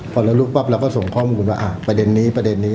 พอเราลุกปั๊บเราก็ส่งข้อมูลว่าประเด็นนี้ประเด็นนี้